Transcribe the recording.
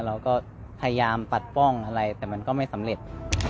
เราก็พยายามปัดป้องอะไรแต่มันก็ไม่สำเร็จ